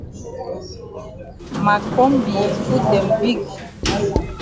Ma kombi yi foot dem big.